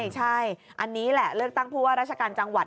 ใช่อันนี้แหละเลือกตั้งผู้ว่าราชการจังหวัด